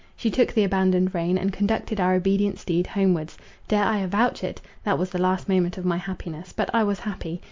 She took the abandoned rein, and conducted our obedient steed homewards. Dare I avouch it? That was the last moment of my happiness; but I was happy.